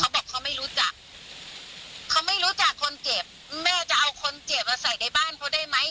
บอกเขาไม่รู้จักเขาไม่รู้จักคนเจ็บแม่จะเอาคนเจ็บมาใส่ในบ้านเขาได้ไหม